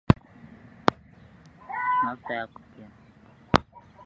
Mafuta ya kupikia